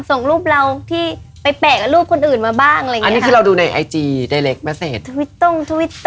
ส่งรูปเราที่ไปแปะกับรูปคนอื่นมาบ้าง